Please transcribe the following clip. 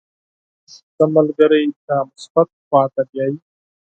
• ښه ملګری تا مثبت لوري ته بیایي.